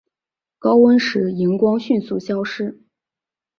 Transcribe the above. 高温时荧光迅速消失。